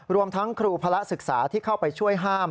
รวมทั้งครูพระศึกษาที่เข้าไปช่วยห้าม